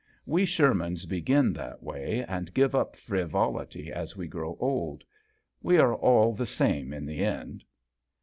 We Sher mans begin that way and give up frivolity as we grow old. We are all the same in the end."